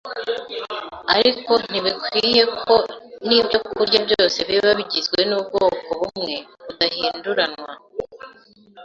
Ariko ntibikwiriye ko n’ibyokurya byose biba bigizwe n’ubwoko bumwe budahinduranywa